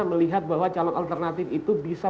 melihat bahwa calon alternatif itu bisa